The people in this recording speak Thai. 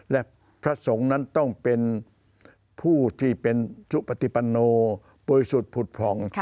และพระสงฆ์นั้นต้องเป็นผู้ที่เป็นจุปฏิปโนบริสุทธิ์ผุดผ่อง